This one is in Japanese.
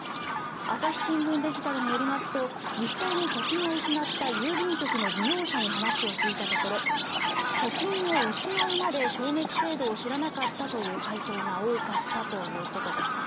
朝日新聞デジタルによりますと実際に貯金を失った郵便局の利用者に話を聞いたところ貯金を失うまで消滅制度を知らなかったという回答が多かったということです。